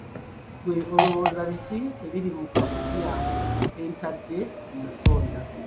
Ggwe olowooza biki ebiri mu kakutiya ako ke ntadde mu nsonda?